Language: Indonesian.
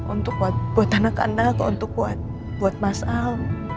untuk buat anak anak untuk buat mas al